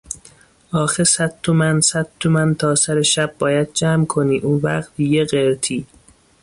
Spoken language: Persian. آخه صد تومن، صد تومن تا سر شب باید جمع کنی، اونوقت یه قرتی